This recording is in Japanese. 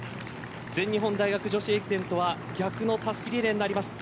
全日本大学女子駅伝とは逆のたすきリレーになります。